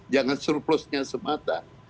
jangan surplusnya semata